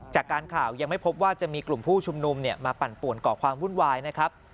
จากการข่าวยังไม่พบว่าจะมีกลุ่มผู้ชุมนุมมาปั่นป่วนก่อความวุ่นวายนะครับ